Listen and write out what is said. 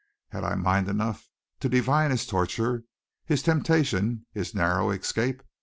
Had I mind enough to divine his torture, his temptation, his narrow escape?